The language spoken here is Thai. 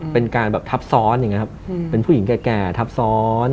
เป็นการแบบทับซ้อนอย่างนี้ครับเป็นผู้หญิงแก่ทับซ้อน